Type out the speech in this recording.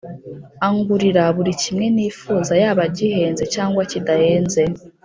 Angurira burikimwe nifuza yaba gihenze cyangwa kidahenze